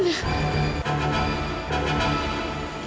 mereka ada di tempat tak insya allah